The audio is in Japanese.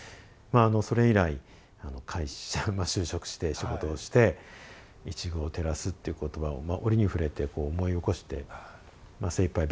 それ以来会社就職して仕事をして「一隅を照らす」っていう言葉を折に触れて思い起こして精いっぱい